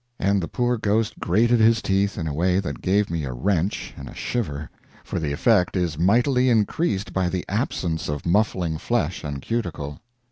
and the poor ghost grated his teeth in a way that gave me a wrench and a shiver for the effect is mightily increased by the absence of muffling flesh and cuticle.